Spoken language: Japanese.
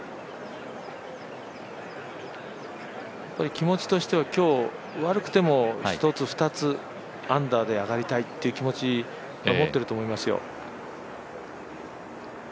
気持ちとしては悪くても１つ２つ、アンダーで上がりたいという気持ちは持っていると思いますよ。